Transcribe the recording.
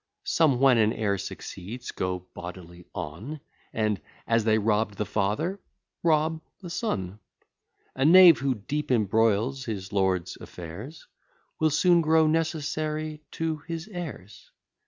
Some, when an heir succeeds, go bodily on, And, as they robb'd the father, rob the son. A knave, who deep embroils his lord's affairs, Will soon grow necessary to his heirs.